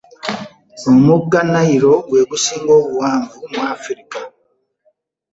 Omugga Nayiro gwe gusinga obuwavu mu Africa.